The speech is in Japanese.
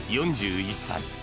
４１歳。